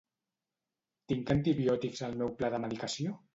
Tinc antibiòtics al meu pla de medicació?